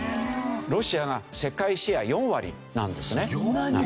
ロシアが世界シェア４割なんですね。